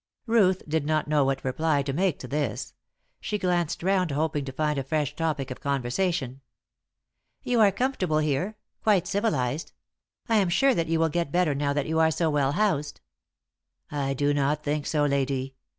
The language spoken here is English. Ruth did not know what reply to make to this: she glanced round hoping to find a fresh topic of conversation. "You are comfortable here; quite civilised. I am sure that you will get better now that you are so well housed!" "I do not think so, lady.